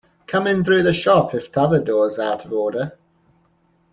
Come in through the shop if t'other door's out of order!